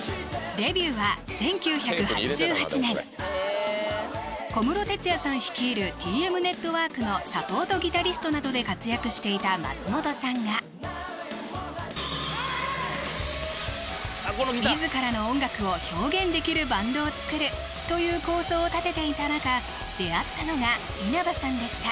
デビューは１９８８年小室哲哉さん率いる「ＴＭネットワーク」のサポートギタリストなどで活躍していた松本さんが自らの音楽を表現できるバンドを作るという構想を立てていた中出会ったのが稲葉さんでした